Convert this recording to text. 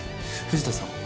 藤田さんは？